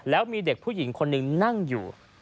แล้วมีเด็กผู้หญิงคนหนึ่งนั่งอยู่